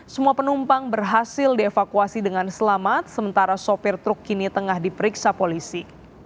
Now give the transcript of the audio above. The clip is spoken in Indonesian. semua penumpang berhasil dievakuasi dengan selamat sementara sopir truk kini tengah diperiksa polisi